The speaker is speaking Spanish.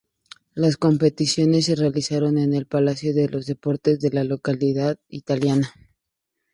Las competiciones se realizaron en el Palacio de los Deportes de la localidad italiana.